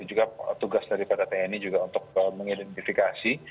itu juga tugas dari pt tni untuk mengidentifikasi